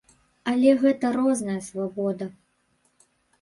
Але гэта розная свабода.